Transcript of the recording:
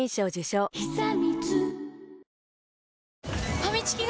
ファミチキが！？